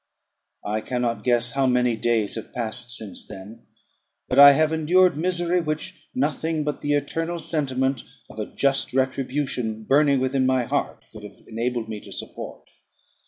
I cannot guess how many days have passed since then; but I have endured misery, which nothing but the eternal sentiment of a just retribution burning within my heart could have enabled me to support.